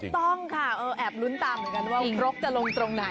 ต้องค่ะแอบลุ้นตามเหมือนกันว่าครกจะลงตรงไหน